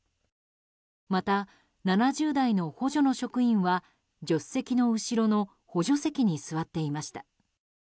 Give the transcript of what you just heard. また、７０代の補助の職員は助手席の後ろの補助席に座っていました。